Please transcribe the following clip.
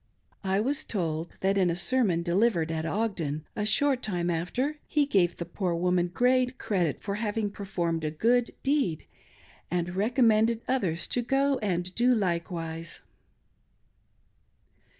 I was told that in a sermon delivered at Ogden, a Short time after, he gave the poor woman great credit for hav ing performed a good deed, and recommended others to go and do likewise